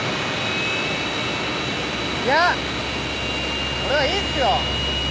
いや俺はいいっすよ。